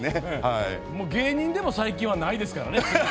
芸人でも、最近はないですからね。